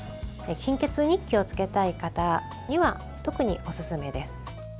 貧血に気をつけたい方には特におすすめです。